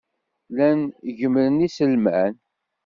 Llan gemmren iselman.